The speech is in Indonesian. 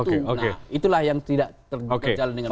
nah itulah yang tidak terjalan dengan baik